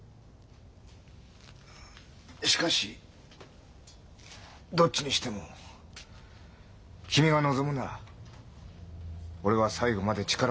しかしどっちにしても君が望むなら俺は最後まで力を尽くすつもりだ。